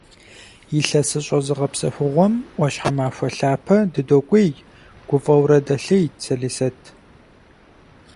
Илъэсыщӏэ зыгъэпсэхугъуэм ӏуащхьэмахуэ лъапэ дыдокӏуей, - гуфӏэурэ дэлъейт Сэлисэт.